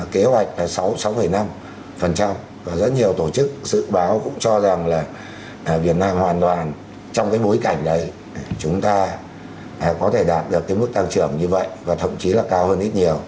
kế hoạch là sáu năm và rất nhiều tổ chức dự báo cũng cho rằng là việt nam hoàn toàn trong cái bối cảnh đấy chúng ta có thể đạt được cái mức tăng trưởng như vậy và thậm chí là cao hơn ít nhiều